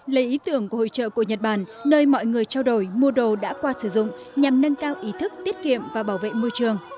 lấy ý tưởng của hội trợ của nhật bản nơi mọi người trao đổi mua đồ đã qua sử dụng nhằm nâng cao ý thức tiết kiệm và bảo vệ môi trường